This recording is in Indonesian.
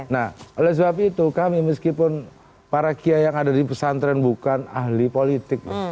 nah oleh sebab itu kami meskipun para kiai yang ada di pesantren bukan ahli politik